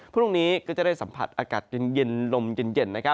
พรุ่งนี้ก็จะได้สัมผัสอากาศเย็นลมเย็น